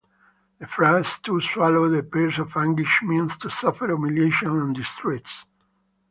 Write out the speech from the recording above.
The phrase "to swallow the pears of anguish" means to suffer humiliations and distress.